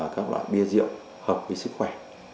các loại bia rượu hợp với sức khỏe